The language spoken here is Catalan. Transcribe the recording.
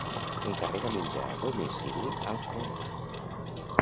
Encarrega menjar a domicili al König.